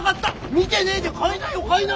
見てねえで買いなよ買いな！